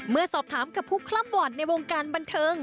เมื่อสอบถามกับผู้คล่ำหวั่นในวงการบันเทิง